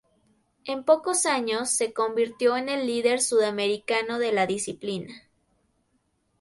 En pocos años, se convirtió en el líder sudamericano de la disciplina.